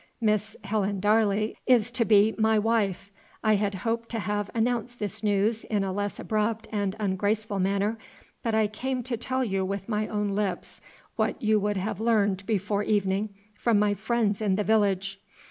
Miss Helen Darley is to be my wife. I had hoped to have announced this news in a less abrupt and ungraceful manner. But I came to tell you with my own lips what you would have learned before evening from my friends in the village."